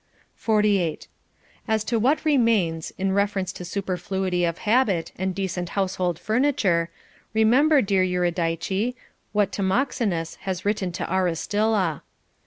48. As to what remains, in reference to superfluity of habit and decent household furniture, remember, dear Eurydice, what Timoxenas has written to Aristylla.